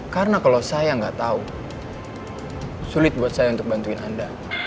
karena kalau saya nggak tahu sulit buat saya untuk bantuin anda